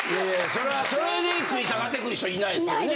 それで食い下がってくる人いないですよね。